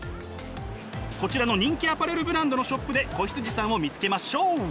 こちらの人気アパレルブランドのショップで子羊さんを見つけましょう！